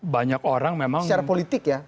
banyak orang memang secara politik ya